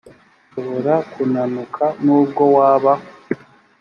shobora kunanuka nubwo waba